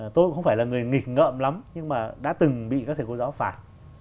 tôi cũng không phải là người nghịch ngợm lắm nhưng mà đã từng bị các thầy cô giáo phạt